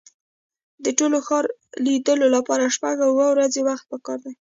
د ټول ښار لیدلو لپاره شپږ اوه ورځې وخت په کار دی.